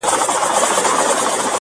انسان انسان دی انسان څۀ ته وایي ,